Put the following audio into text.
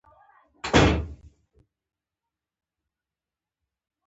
د سرتېرو کورنیو له لوږې سره لاس و پنجه نرموله